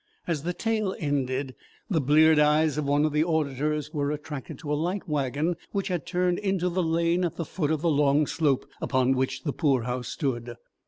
As the tale ended, the bleared eyes of one of the auditors were attracted to a light wagon which had turned into the lane at the foot of the long slope upon which the poor house stood.